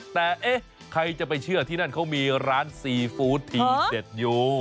แต่เอ๊ะใครจะไปเชื่อที่นั่นเขามีร้านซีฟู้ดทีเด็ดอยู่